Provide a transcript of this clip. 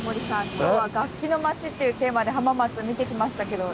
今日は「楽器の町」っていうテーマで浜松見てきましたけどいかがでした？